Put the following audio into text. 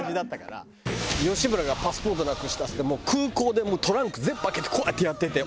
吉村がパスポートなくしたっつって空港でトランク全部開けてこうやってやってて。